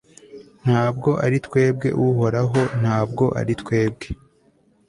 nta bwo ari twebwe, uhoraho, nta bwo ari twebwe